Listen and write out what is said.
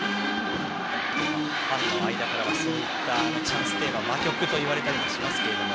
ファンの間からそういったチャンステーマは魔曲とか呼ばれたりしますけども。